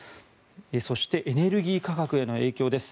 そしてエネルギー価格への影響です。